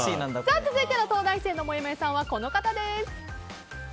続いての東大生のもやもやさんはこの方です。